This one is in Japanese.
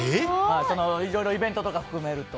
いろいろイベントとか含めると。